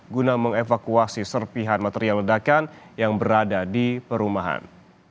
guna mengevakuasi serpihan material ledakan yang berada di perumahan